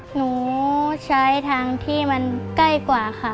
หนูใช้ทางที่มันใกล้กว่าค่ะ